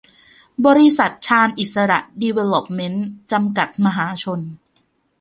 บริษัท ชาญอิสสระ ดีเวล็อปเมนท์ จำกัด มหาชน